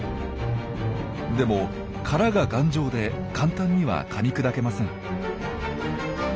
でも殻が頑丈で簡単にはかみ砕けません。